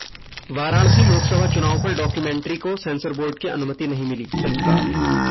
वाराणसी लोकसभा चुनाव पर डॉक्यूमेंट्री को सेंसर बोर्ड की अनुमति नहीं मिली: फिल्मकार